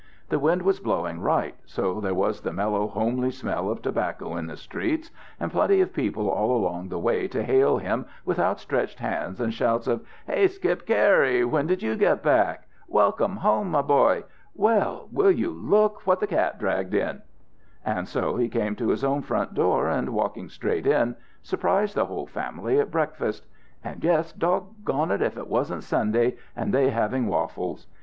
The wind was blowing right, so there was the mellow homely smell of tobacco in the streets, and plenty of people all along the way to hail him with outstretched hands and shouts of "Hey, Skip Cary, when did you get back?" "Welcome home, my boy!" "Well, will you look what the cat dragged in!" And so he came to his own front door step, and, walking straight in, surprised the whole family at breakfast; and yes doggone it! if it wasn't Sunday, and they having waffles!